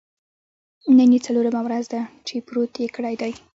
نن یې څلورمه ورځ ده چې پروت یې کړی دی.